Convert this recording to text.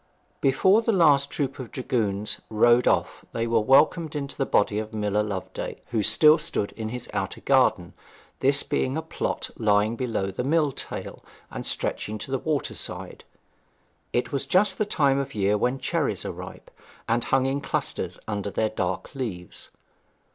Before the last troop of dragoons rode off they were welcomed in a body by Miller Loveday, who still stood in his outer garden, this being a plot lying below the mill tail, and stretching to the water side. It was just the time of year when cherries are ripe, and hang in clusters under their dark leaves.